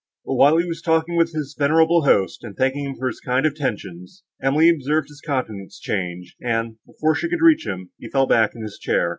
But, while he was talking with his venerable host, and thanking him for his kind attentions, Emily observed his countenance change, and, before she could reach him, he fell back in his chair.